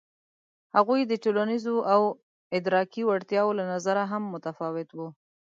هغوی د ټولنیزو او ادراکي وړتیاوو له نظره هم متفاوت وو.